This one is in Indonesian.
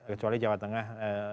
kecuali jawa tengah